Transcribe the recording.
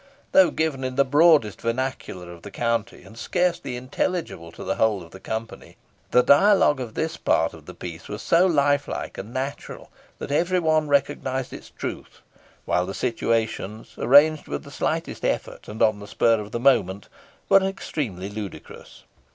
Though given in the broadest vernacular of the county, and scarcely intelligible to the whole of the company, the dialogue of this part of the piece was so lifelike and natural, that every one recognised its truth; while the situations, arranged with the slightest effort, and on the spur of the moment, were extremely ludicrous.